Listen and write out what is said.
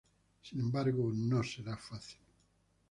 Sin embargo, no será fácil.